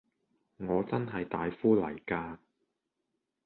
我真係大夫嚟㗎